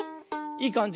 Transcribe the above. いいかんじ。